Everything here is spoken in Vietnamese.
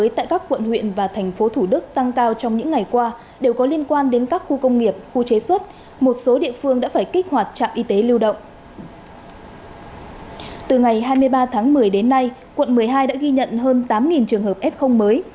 từ ba tháng một mươi đến nay quận một mươi hai đã ghi nhận hơn tám trường hợp f mới